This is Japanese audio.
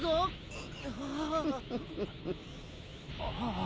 ああ。